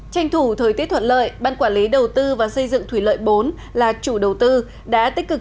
tranh thủ thời tiết thuận lợi ban quản lý đầu tư và xây dựng thủy lợi bốn là chủ đầu tư đã tích cực